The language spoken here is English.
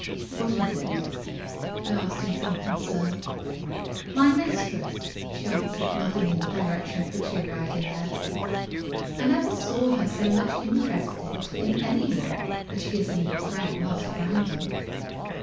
"What is it?" I asked in some concern. "My mistress," she answered, nodding in the direction of the two riding ahead of us. "I never saw her so much interested in any one as she is in your friend, Master Brandon.